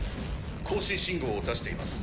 交信信号を出しています。